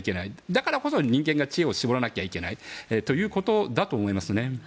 だからこそ人間が知恵を絞らなきゃいけないということだと思います。